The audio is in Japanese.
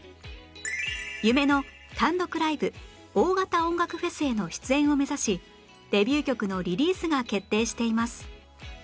夢の単独ライブ大型音楽フェスへの出演を目指しデビュー曲のリリースが決定しています